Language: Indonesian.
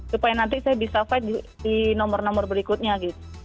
supaya nanti saya bisa fight di nomor nomor berikutnya gitu